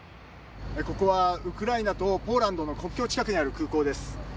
ここはウクライナとポーランドの国境近くにある空港です。